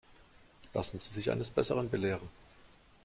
Lassen Sie sich eines Besseren belehren.